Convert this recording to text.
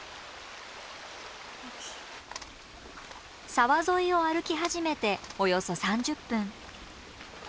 沢沿いを歩き始めておよそ３０分。